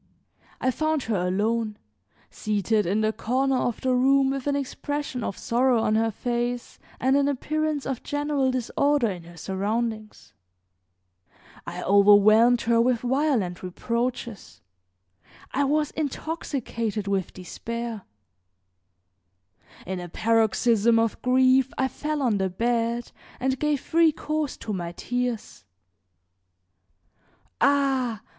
I found her alone, seated in the corner of the room with an expression of sorrow on her face and an appearance of general disorder in her surroundings. I overwhelmed her with violent reproaches; I was intoxicated with despair. In a paroxysm of grief I fell on the bed and gave free course to my tears. "Ah!